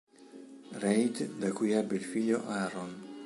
Reid, da cui ebbe il figlio Aaron.